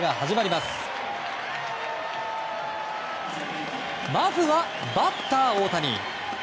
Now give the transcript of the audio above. まずはバッター大谷。